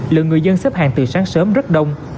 lượng người dân xếp hàng từ sáng sớm rất đông